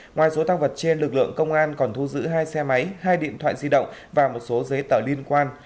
ngoài số tăng vật trên lực lượng công an còn thu giữ hai xe máy hai điện thoại di động và một số giấy tờ liên quan